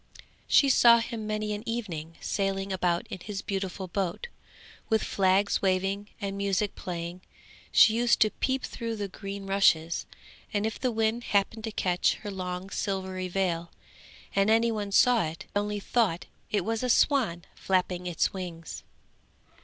She saw him many an evening sailing about in his beautiful boat, with flags waving and music playing; she used to peep through the green rushes, and if the wind happened to catch her long silvery veil and any one saw it, they only thought it was a swan flapping its wings.